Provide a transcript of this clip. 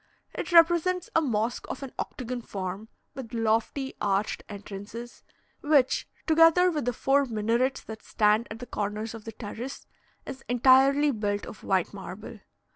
It represents a mosque of an octagon form, with lofty arched entrances, which, together with the four minarets that stand at the corners of the terrace, is entirely built of white marble.